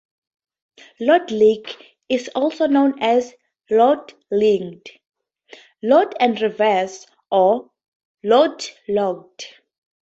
Load-link is also known as "load-linked", "load and reserve", or "load-locked".